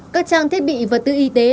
các trang thiết bị vật tư y tế